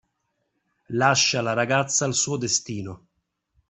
Lascia la ragazza al suo destino.